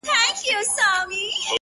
زلفـي را تاوي کړي پــر خپلـو اوږو-